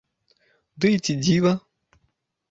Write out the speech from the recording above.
Ды і ці дзіва!